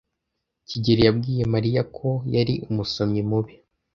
kigeli yabwiye Mariya ko yari umusomyi mubi.